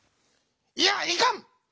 「いやいかん！